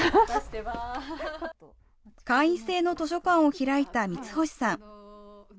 会員制の図書館を開いた三星さん。